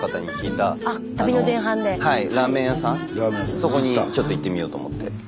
そこにちょっと行ってみようと思って。